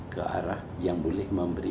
ke arah yang boleh memberi